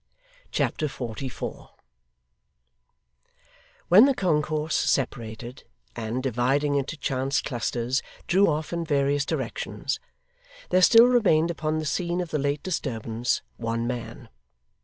Chapter 44 When the concourse separated, and, dividing into chance clusters, drew off in various directions, there still remained upon the scene of the late disturbance, one man.